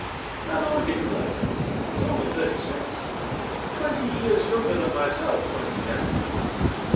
"That orchid collector was only thirty six twenty years younger thanmyself when he died.